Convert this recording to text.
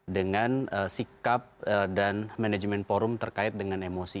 dengan sikap dan manajemen forum terkait dengan emosi